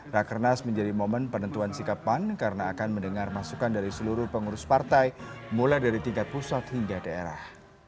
rakernas menjadi momen penentuan sikap pan karena akan mendengar masukan dari seluruh pengurus partai mulai dari tingkat pusat hingga daerah